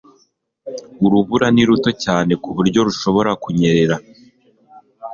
Urubura ni ruto cyane ku buryo rushobora kunyerera